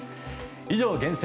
以上、厳選！